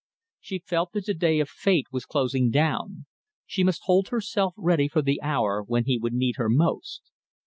She felt that the day of fate was closing down. She must hold herself ready for the hour when he would need her most.